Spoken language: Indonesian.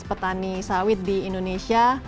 petani sawit di indonesia